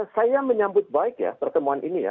saya menyambut baik ya pertemuan ini ya